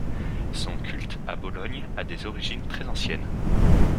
Son culte à Bologne a des origines très anciennes.